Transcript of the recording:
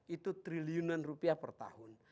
itu triliunan rupiah per tahun